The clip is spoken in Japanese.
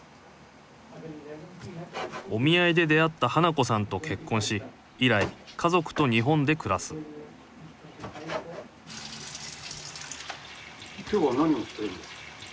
お見合いで出会った花子さんと結婚し以来家族と日本で暮らすおでんです。